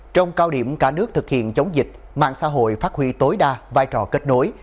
trong cao điểm cả nước thực hiện chống dịch mạng xã hội phát huy tối đa vai trò kết nối